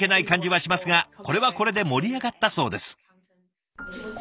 感じはしますがこれはこれで盛り上がったそうです。